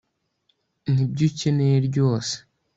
nibyo ukeneye ryose